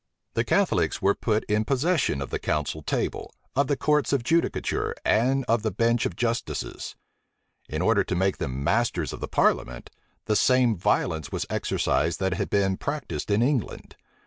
The Catholics were put in possession of the council table, of the courts of judicature, and of the bench of justices. In order to make them masters of the parliament, the same violence was exercised that had been practised in England.